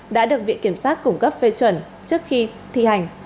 đã được viện kiểm sát củng cấp phê chuẩn trước khi thi hành